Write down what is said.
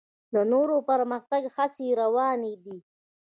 د نور پرمختګ هڅې یې روانې دي.